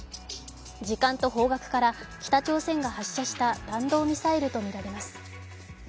時間と方角から北朝鮮が発射した弾道ミサイルとみられます。